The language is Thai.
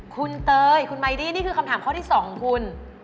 คุณเตยคุณไมดี้นี่คือคำถามข้อที่๒ของคุณ